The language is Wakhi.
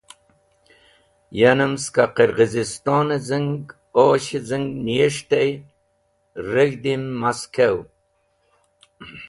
Yanem skẽ qirgheziston z̃i’n osh z̃i’n niyes̃hte reg̃hdi’m Moskow.